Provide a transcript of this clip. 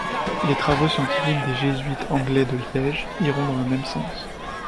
Les travaux scientifiques des jésuites anglais de Liège iront dans le même sens.